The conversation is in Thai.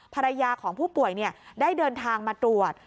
ภรรยาของผู้ป่วยได้เดินทางมาตรวจ